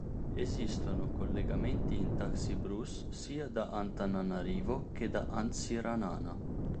Esistono collegamenti in taxi-brousse sia da Antananarivo che da Antsiranana.